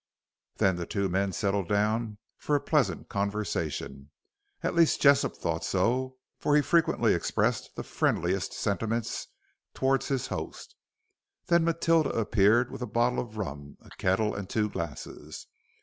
Then the two men settled down for a pleasant conversation. At least, Jessop thought so, for he frequently expressed the friendliest sentiments towards his host. Then Matilda appeared with a bottle of rum, a kettle and two glasses.